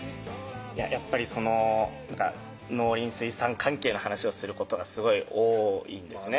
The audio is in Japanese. やっぱりその農林水産関係の話をすることがすごい多いんですね